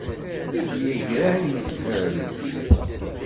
I d-yegran yeshel.